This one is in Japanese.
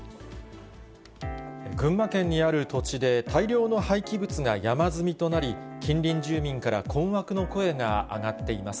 群馬県にある土地で、大量の廃棄物が山積みとなり、近隣住民から困惑の声が上がっています。